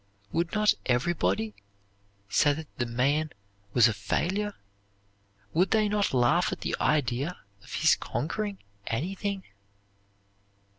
Would not everybody say that the man was a failure? Would they not laugh at the idea of his conquering anything?